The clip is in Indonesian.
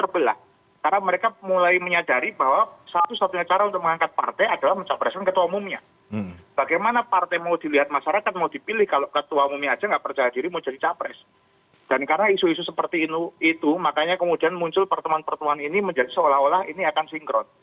bagaimana perjuangan pdi perjuangan ini